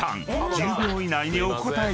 １０秒以内にお答えください］